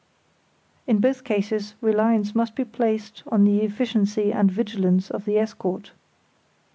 In both cases reliance must be placed on the efficiency and vigilance of the escort.